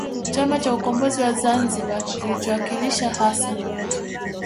Chama cha Ukombozi wa Zamzibar kilichowakilisha hasa